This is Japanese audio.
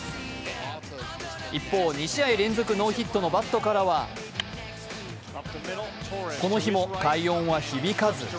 一方、２試合連続ノーヒットのバットからはこの日も快音は響かず。